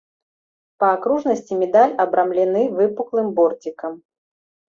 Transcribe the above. Па акружнасці медаль абрамлены выпуклым борцікам.